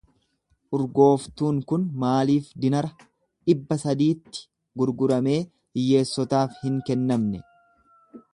Urgooftuun kun maaliif dinara dhibba sadiitti gurguramee hiyyeessotaaf hin kennamne?